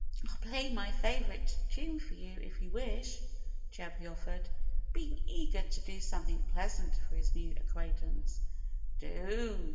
"I'll play my favorite tune for you, if you wish," Chirpy offered, being eager to do something pleasant for his new acquaintance. "Do!"